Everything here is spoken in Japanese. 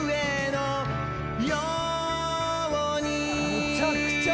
めちゃくちゃや。